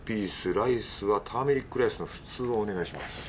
ライスはターメリックライスの普通をお願いします。